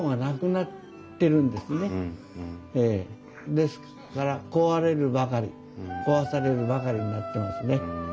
ですから壊れるばかり壊されるばかりになってますね。